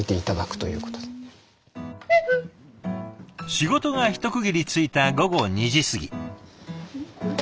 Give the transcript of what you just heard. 仕事が一区切りついた午後２時過ぎ。